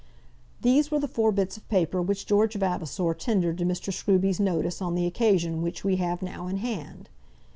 These were the four bits of paper which George Vavasor tendered to Mr. Scruby's notice on the occasion which we have now in hand.